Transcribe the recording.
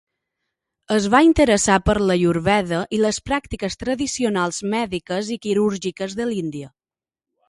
Es va interessar per l'aiurveda i les pràctiques tradicionals mèdiques i quirúrgiques de l'Índia.